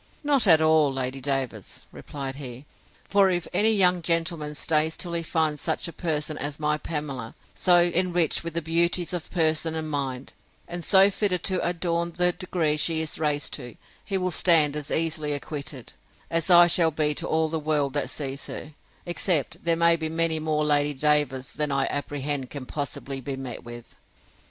Not at all, Lady Davers, replied he: For, if any young gentleman stays till he finds such a person as my Pamela, so enriched with the beauties of person and mind, so well accomplished, and so fitted to adorn the degree she is raised to, he will stand as easily acquitted, as I shall be to all the world that sees her, except there be many more Lady Davers than I apprehend can possibly be met with.